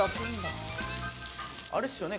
あれですよね？